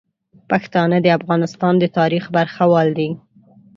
پښتانه د افغانستان د تاریخ برخوال دي.